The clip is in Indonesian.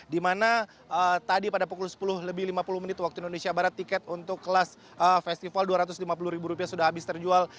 dimana tadi pada pukul sepuluh lebih lima puluh menit waktu indonesia barat tiket untuk kelas festival dua ratus lima puluh sudah habis terjual